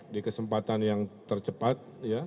di kesempatan yang tercepat